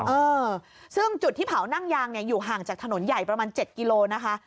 เออซึ่งจุดที่เผานั่งยางเนี่ยอยู่ห่างจากถนนใหญ่ประมาณ๗กิโลนะคะ